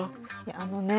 あのね。